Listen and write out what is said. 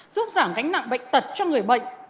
giúp giảm gánh nặng bệnh tật cho người bệnh